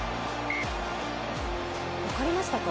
分かりましたか？